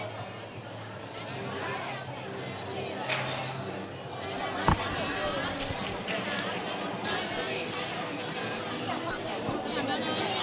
ขอบคุณมากค่ะผมก็เกิดตลอด